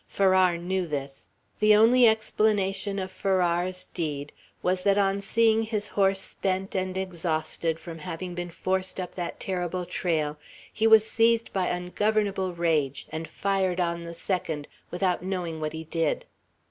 Farrar knew this. The only explanation of Farrar's deed was, that on seeing his horse spent and exhausted from having been forced up that terrible trail, he was seized by ungovernable rage, and fired on the second, without knowing what he did.